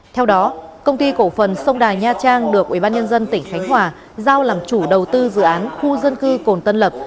theo đó công ty cổ phần sông đà nha trang được ubnd tỉnh khánh hòa giao làm chủ đầu tư dự án khu dân cư cồn tân lập